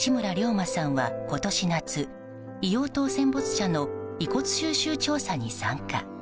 馬さんは、今年夏硫黄島戦没者の遺骨収集調査に参加。